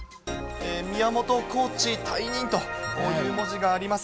宮本コーチ退任という文字があります。